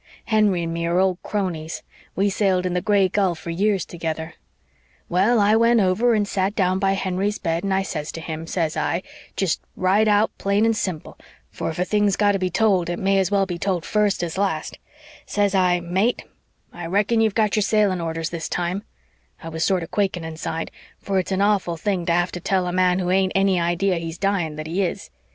Henry and me are old cronies we sailed in the Gray Gull for years together. Well, I went over and sat down by Henry's bed and I says to him, says I, jest right out plain and simple, for if a thing's got to be told it may as well be told first as last, says I, 'Mate, I reckon you've got your sailing orders this time,' I was sorter quaking inside, for it's an awful thing to have to tell a man who hain't any idea he's dying that he is.